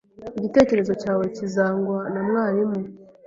Igitekerezo cyawe kizangwa na mwarimu.